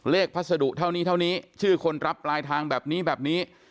พัสดุเท่านี้เท่านี้ชื่อคนรับปลายทางแบบนี้แบบนี้